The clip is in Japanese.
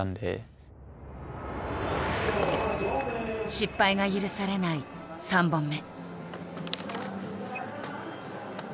失敗が許されない３本目。